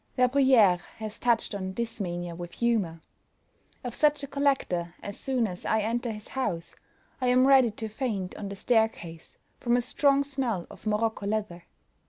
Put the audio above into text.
LA BRUYERE has touched on this mania with humour: "Of such a collector, as soon as I enter his house, I am ready to faint on the staircase, from a strong smell of Morocco leather.